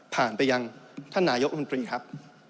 ผ่านไปยังท่านนายกลุ่นตรีครับ